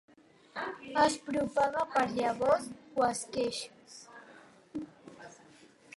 Es propaga per llavors o esqueixos.